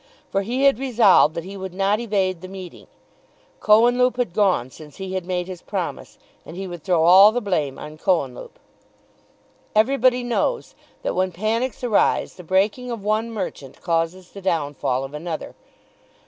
For he had resolved that he would not evade the meeting. Cohenlupe had gone since he had made his promise, and he would throw all the blame on Cohenlupe. Everybody knows that when panics arise the breaking of one merchant causes the downfall of another.